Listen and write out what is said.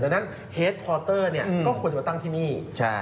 ดังนั้นเฮสพอร์เตอร์เนี้ยอืมก็ควรจะมาตั้งที่นี่ใช่